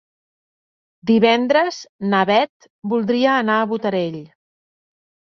Divendres na Bet voldria anar a Botarell.